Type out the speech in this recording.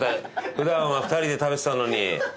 普段は２人で食べてたのに。